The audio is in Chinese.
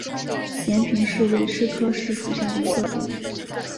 延平柿为柿科柿属下的一个种。